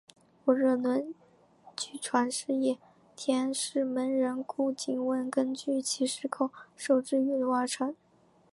温热论据传是叶天士门人顾景文根据其师口授之语录而成。